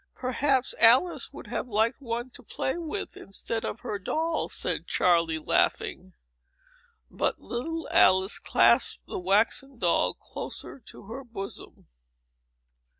"Perhaps Alice would have liked one to play with, instead of her doll," said Charley, laughing. But little Alice clasped the waxen doll closer to her bosom.